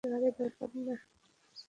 আরে ব্যাপার না।